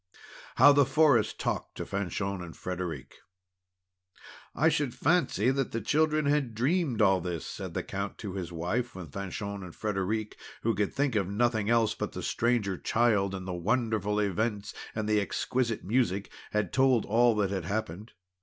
HOW THE FOREST TALKED TO FANCHON AND FREDERIC "I should fancy that the children had dreamed all this," said the Count to his wife, when Fanchon and Frederic, who could think of nothing else but the Stranger Child, and the wonderful events, and the exquisite music, had told all that had happened.